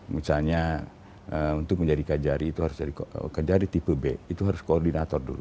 misalnya untuk menjadi kajari itu harus dari kejari tipe b itu harus koordinator dulu